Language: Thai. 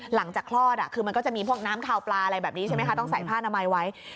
หลังจากคลอดคือมันก็จะมีพวกน้ำขาวปลาอะไรแบบนี้ใช่ไหมคะต้องใส่ผ้านามัยไว้